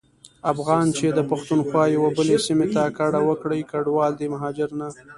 افغان چي د پښتونخوا یوې بلي سيمي ته کډه وکړي کډوال دی مهاجر نه.